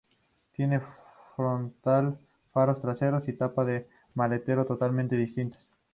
Tiene frontal, faros traseros y tapa de maletero totalmente distintas.